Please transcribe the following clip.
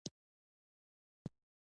که ټولنه د دې افرادو په اړه بې پروا وي.